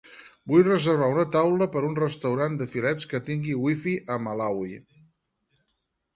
Vull reservar una taula en un restaurant de filets que tingui wi-fi a Malawi